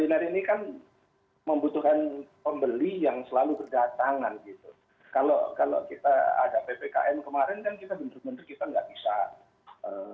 apa saya tuh membaca protein